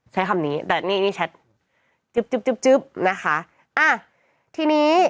ใช้คำนี้แต่นี่นี่แชทจึ๊บจึ๊บจึ๊บจึ๊บนะคะอ่ะทีนี้